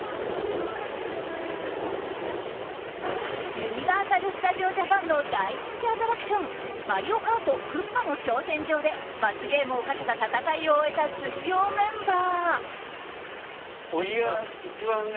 ユニバーサル・スタジオ・ジャパンの大人気アトラクションマリオカートクッパの挑戦状で罰ゲームをかけた戦いを終えた水曜メンバー。